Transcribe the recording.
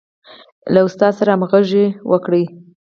له ښوونکي سره همغږي وکړه.